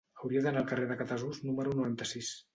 Hauria d'anar al carrer de Catasús número noranta-sis.